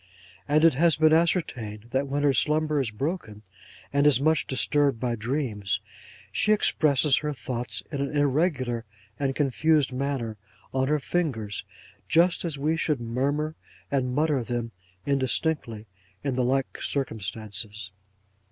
And it has been ascertained that when her slumber is broken, and is much disturbed by dreams, she expresses her thoughts in an irregular and confused manner on her fingers: just as we should murmur and mutter them indistinctly, in the like circumstances.